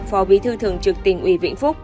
phò bí thư thường trực tỉnh ủy vĩnh phúc